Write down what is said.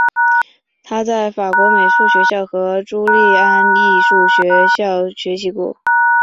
他在法国美术学校和朱利安艺术学校学习过。